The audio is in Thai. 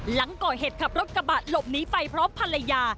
หลังก่อเหตุขับรถกระบะหลบหนีไปพร้อมภรรยา